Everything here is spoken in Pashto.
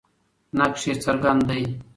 نقش یې څرګند دی.